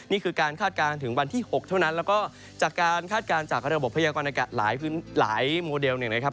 นี่คือการคาดการณ์ถึงวันที่๖เท่านั้นแล้วก็จากการคาดการณ์จากระบบพยากรณากาศหลายโมเดลหนึ่งนะครับ